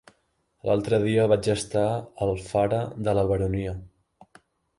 L'altre dia vaig estar a Alfara de la Baronia.